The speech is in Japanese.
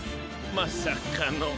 まさかの。